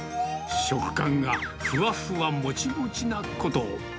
食感がふわふわもちもちなこと。